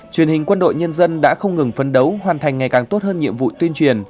truyền hình quân đội nhân dân đã không ngừng phấn đấu hoàn thành ngày càng tốt hơn nhiệm vụ tuyên truyền